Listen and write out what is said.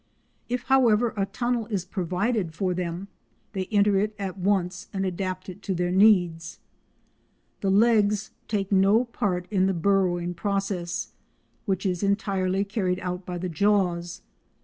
If, however, a tunnel is provided for them, they enter it at once and adapt it to their needs. The legs take no part in the burrowing process, which is entirely carried out by the jaws.